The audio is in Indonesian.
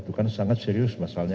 itu kan sangat serius masalahnya